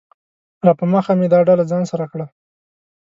راپه مخه مې دا ډله ځان سره کړه